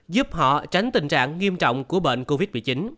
giúp họ tránh tình trạng nghiêm trọng của bệnh covid một mươi chín